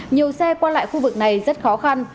nhiều xe qua lại khu vực này rất khó khăn